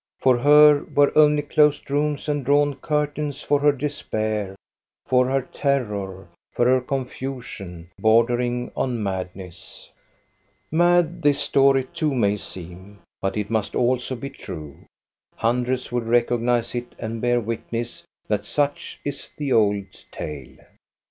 For her were only closed rooms and drawn curtains \ for her, despair ; for her, terror ; for her, confusion, bordering on madness. Mad this story too may seem, but it must also be true. Hundreds will recognize it and bear witness that such is the old tale.